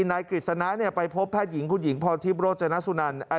นายกฤษณะไปพบแพทย์หญิงคุณหญิงพรทิพย์โรจนสุนัน